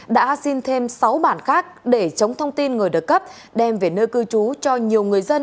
đã xin thêm sáu bản khác để chống thông tin người được cấp đem về nơi cư trú cho nhiều người dân